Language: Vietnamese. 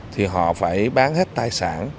thì họ phải bán hết tài sản